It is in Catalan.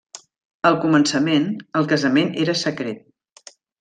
Al començament, el casament era secret.